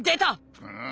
うん！